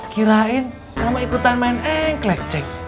kirain kamu ikutan main engklek cek